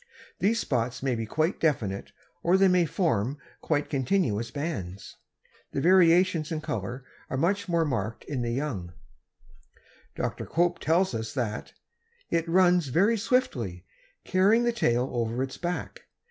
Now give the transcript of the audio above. These spots may be quite definite or they may form quite continuous bands. The variations in color are much more marked in the young. Dr. Cope tells us that "it runs very swiftly, carrying the tail over its back.